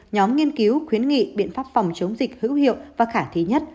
nhóm nghiên cứu khuyến nghị biện pháp phòng chống dịch hữu hiệu và khả thi nhất